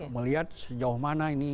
melihat sejauh mana ini